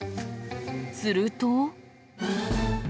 すると。